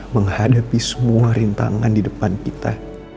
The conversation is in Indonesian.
menghadapi semua rintangan di depan kita